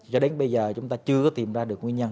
cho đến bây giờ chúng ta chưa có tìm ra được nguyên nhân